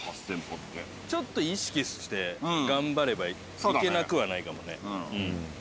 ちょっと意識して頑張れば行けなくはないかもね。